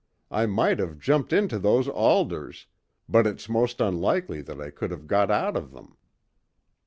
I might have jumped into those alders, but it's most unlikely that I could have got out of them."